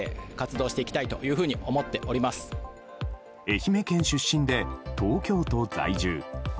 愛媛県出身で東京都在住。